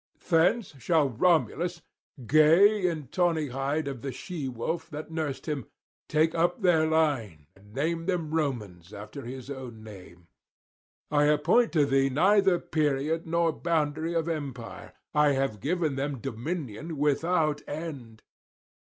Thence shall Romulus, gay in the tawny hide of the she wolf that nursed him, take up their line, and name them Romans after his own name. I appoint to these neither period nor boundary of empire: I have given them dominion without end.